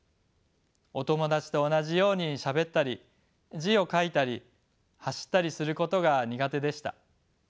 お友達と同じようにしゃべったり字を書いたり走ったりすることが苦手でした。